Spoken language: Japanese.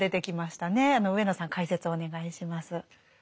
上野さん解説をお願いします。